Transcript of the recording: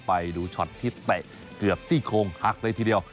ไปดูช็อตที่เตะเกือบซี่โคงหักเลยทีเดียว